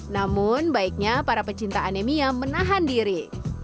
namun baiknya para pecinta anemia menahan diri